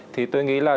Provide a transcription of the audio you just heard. thì tôi nghĩ là